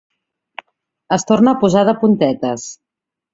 Es torna a posar de puntetes.